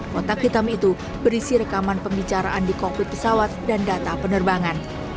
kotak hitam itu berisi rekaman pembicaraan di kokpit pesawat dan data penerbangan